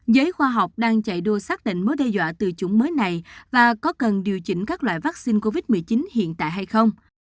giới khoa học đang chạy đua xác định mối đe dọa từ chủng mới này và có cần điều chỉnh các loại vaccine covid một mươi chín hiện tại hay không